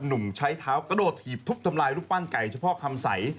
หนุ่มใช้เท้ากระโดดถีบทุบทำลายรูปปั้นไก่เฉพาะคำใส